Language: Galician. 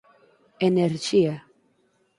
Enerxía